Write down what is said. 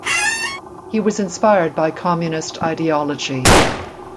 He was inspired by communist ideology.